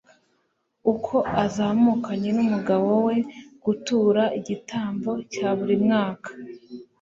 uko azamukanye n'umugabo we gutura igitambo cya buri mwaka